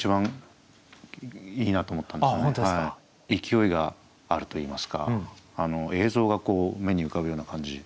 勢いがあるといいますか映像が目に浮かぶような感じ。